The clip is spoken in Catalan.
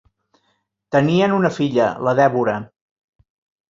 Tenien una filla, la Dèbora.